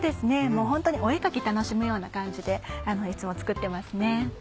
もうホントにお絵描き楽しむような感じでいつも作ってますね。